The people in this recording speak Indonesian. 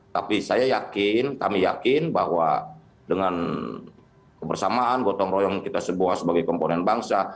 tapi kami yakin bahwa dengan kebersamaan gotong royong kita sebagai komponen bangsa